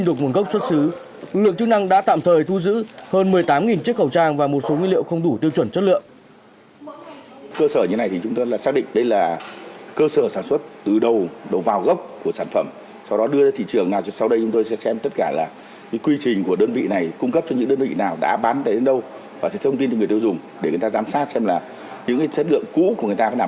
được một gốc xuất xứ lượng chức năng đã tạm thời thu giữ hơn một mươi tám chiếc khẩu trang và một số nguyên liệu không đủ tiêu chuẩn chất lượng